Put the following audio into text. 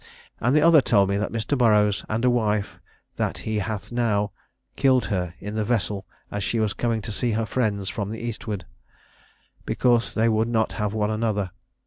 And the other told me that Mr. Burroughs and a wife that he hath now, killed her in the vessel as she was coming to see her friends from the eastward, because they would have one another.